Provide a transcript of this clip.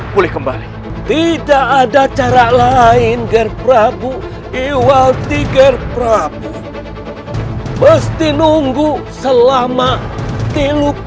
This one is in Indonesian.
boleh kembali tidak ada cara lain gerbap bu iwalti gerbap mesti nunggu selama tilup